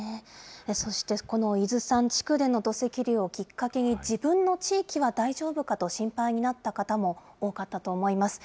そしてこの伊豆山地区での土石流をきっかけに、自分の地域は大丈夫かと心配になった方も多かったと思います。